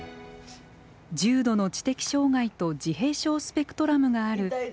重度の知的障害と自閉症スペクトラムがあるなつくん。